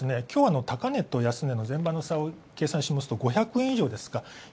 きょうは高値と安値の前場の差を計算しますと５００円以上ですか。